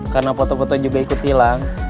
karena foto foto juga ikut hilang